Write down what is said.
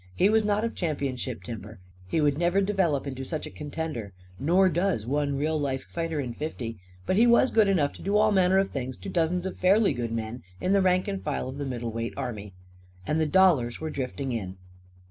He was not of championship timber. He would never develop into such a contender; nor does one real life fighter in fifty. But he was good enough to do all manner of things to dozens of fairly good men in the rank and file of the middleweight army. And the dollars were drifting in.